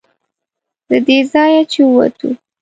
له دې ځایه چې ووتو.